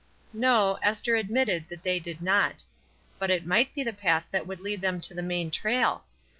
No, Esther admitted that they did not. But it might be the path that would lead them to the main trail.